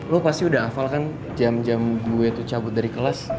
lo pasti udah hafal kan jam jam gue tuh cabut dari kelas